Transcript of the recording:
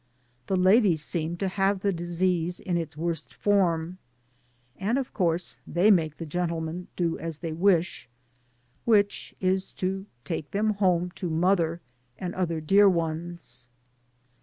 The ladies seem to have the disease in its worst form, and of course they make the gentlemen do as they wish, which is to take them home to mother and other dear ones.